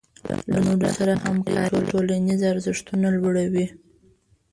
له نورو سره همکاري ټولنیز ارزښتونه لوړوي.